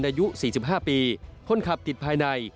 อายุ๔๕ปีคนขับติดภายใน